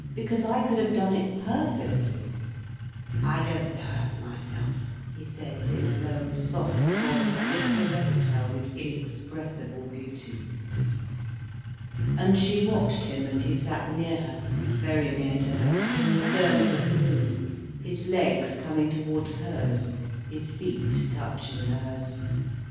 "Because I could have done it perfectly." "I don't hurt myself," he said in a low, soft voice, that caressed her with inexpressible beauty. And she watched him as he sat near her, very near to her, in the stern of the canoe, his legs coming towards hers, his feet touching hers.